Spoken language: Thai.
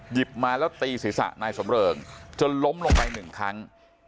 มาแล้วตีศีรษะนายสำเริงจนล้มลงไปหนึ่งครั้ง